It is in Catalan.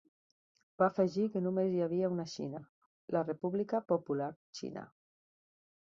Va afegir que només hi havia una Xina, la República Popular Xina.